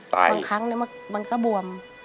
บางครั้งมันก็บวม